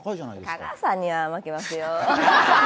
香川さんには負けますよ！